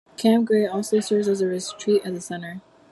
Camp Gray also serves as a retreat center.